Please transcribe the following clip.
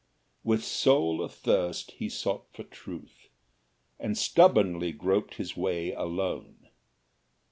With soul athirst he sought for truth, and stubbornly groped his way alone.